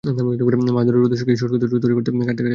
মাছ ধরে রোদে শুকিয়ে শুঁটকি তৈরি করতে করতে কাটত তাঁর দিন।